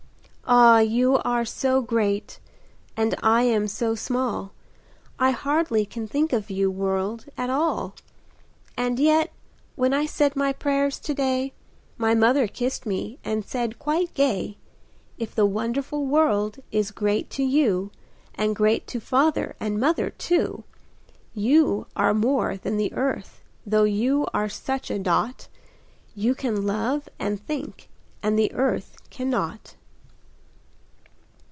Ah! you are so great, and I am so small, I hardly can think of you, World, at all; And yet, when I said my prayers to day, My mother kissed me, and said, quite gay, "If the wonderful World is great to you, And great to father and mother, too, You are more than the Earth, though you are such a dot! You can love and think, and the Earth cannot!"